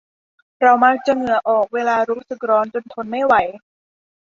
เรามักจะเหงื่อออกเวลารู้สึกร้อนจนทนไม่ไหว